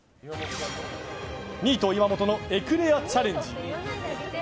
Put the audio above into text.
ニート岩本のエクレアチャレンジ。